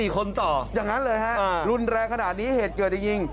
๔คนต่ออย่างนั้นเลยฮะรุนแรงขนาดนี้เหตุเกิดจะยิง